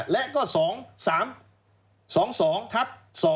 และก็๒๒ทับ๒๕๒๒